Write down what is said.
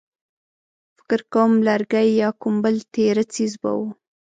فکر کوم لرګی يا کوم بل تېره څيز به و.